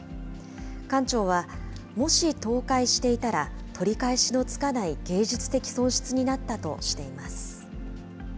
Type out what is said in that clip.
館長は、もし倒壊していたら、取り返しのつかない芸術的損失になったとしています。